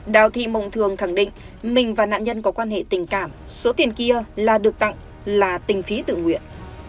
đào thị mộng thường khẳng định mình và nạn nhân có quan hệ tình cảm số tiền kia là được tặng là tình phí tự nguyện